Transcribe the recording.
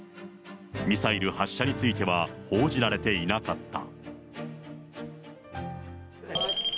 ミサイル発射については報じられていなかった。